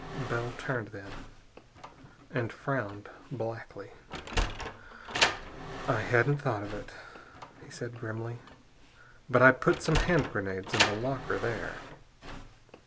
Bell turned, then, and frowned blackly. "I hadn't thought of it," he said grimly, "but I put some hand grenades in the locker, there."